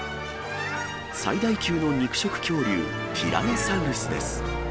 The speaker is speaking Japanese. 最大級の肉食恐竜、ティラノサウルスです。